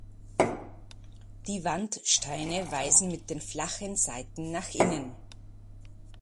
Die Wandsteine weisen mit den flachen Seiten nach innen.